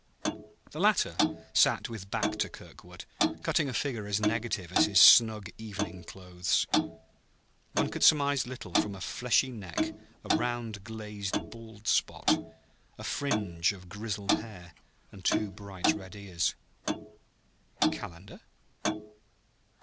The latter sat with back to Kirkwood, cutting a figure as negative as his snug evening clothes. One could surmise little from a fleshy thick neck, a round, glazed bald spot, a fringe of grizzled hair, and two bright red ears. Calendar?